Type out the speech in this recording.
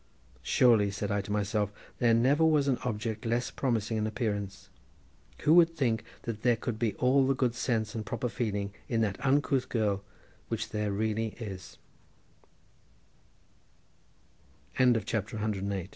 "Surely," said I to myself, "there never was an object less promising in appearance. Who would think that there could be all the good sense and proper feeling in that uncouth girl which there reall